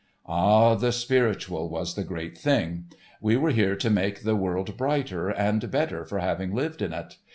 Ah, the spiritual was the great thing. We were here to make the world brighter and better for having lived in it.